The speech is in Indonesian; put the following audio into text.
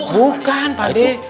bukan pak deng